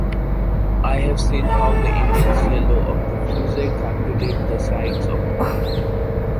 I have seen how the immense yellow of the furze carpeted the sides of the mountains.